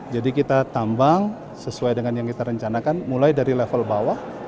jadi kita tambang sesuai dengan yang kita rencanakan mulai dari level bawah